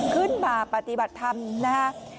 ขึ้นมาปฏิบัติธรรมนะ